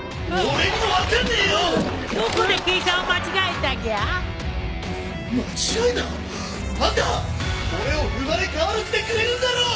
俺を生まれ変わらせてくれるんだろ！？